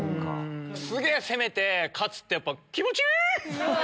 すげぇ攻めて勝つってやっぱ気持ちいい！